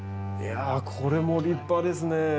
いやこれも立派ですね。